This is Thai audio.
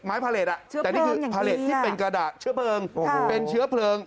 ผลิตแต่นี่คือผลิตที่เป็นกระดาษเชื้อเพลิงเป็นเชื้อเพลิง